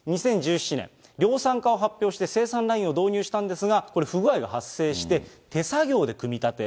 ２０１７年、量産化を発表して、生産ラインを導入したんですが、これ、不具合が発生して、手作業で組み立て。